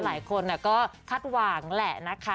หลายคนก็คาดหวังแหละนะคะ